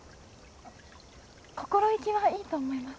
心意気はいいと思います。